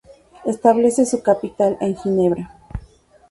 Establece su capital en Ginebra.